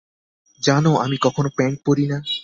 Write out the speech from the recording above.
জানো, আমি কখনো প্যান্ট পরি না।